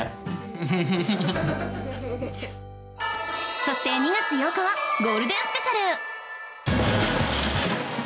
そして２月８日はゴールデンスペシャル